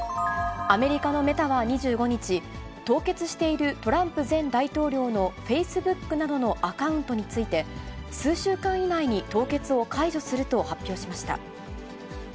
アメリカのメタは２５日、凍結しているトランプ前大統領のフェイスブックなどのアカウントについて、数週間以内に凍結を解除すると発表しました。